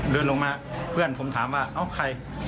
เดินลงมาเพื่อนผมถามว่าเอ้าใคร